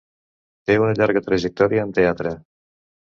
Té una llarga trajectòria en teatre.